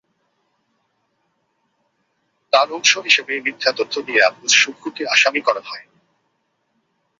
তার অংশ হিসেবেই মিথ্যা তথ্য দিয়ে আবদুস শুক্কুরকে আসামি করা হয়।